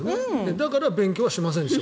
だから僕は勉強しませんでした。